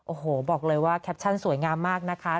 โอ้โหบอกเลยว่าแคปชั่นสวยงามมากนะคะ